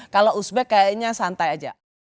kalau uzbek kayaknya santai aja